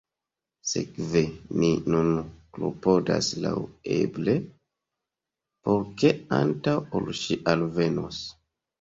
Sekve, ni nun klopodas laŭeble por ke, antaŭ ol ŝi alvenos…